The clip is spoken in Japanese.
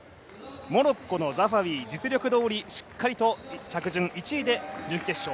モロッコのザハフィ、実力どおりしっかりと着順１位で準決勝。